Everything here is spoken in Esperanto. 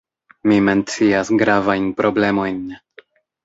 Mi mencias gravajn problemojn.